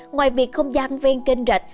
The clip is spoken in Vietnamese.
ngoài việc không gian ven kênh rạch